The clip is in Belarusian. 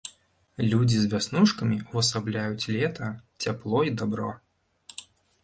Людзі з вяснушкамі ўвасабляюць лета, цяпло і дабро.